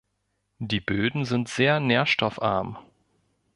Die Böden sind sehr nährstoffarm.